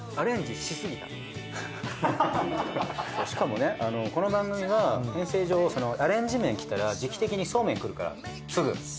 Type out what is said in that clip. しかもねこの番組が変遷上アレンジ麺きたら時期的にそうめん来るからすぐ。